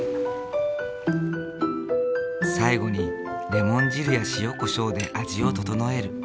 最後にレモン汁や塩こしょうで味を調える。